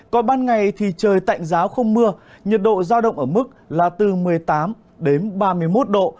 còn ban ngày thì trời tạnh giáo không mưa nhiệt độ giao động ở mức là từ một mươi tám đến ba mươi một độ